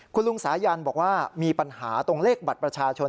คุณลุงสายันบอกว่ามีปัญหาตรงเลขบัตรประชาชน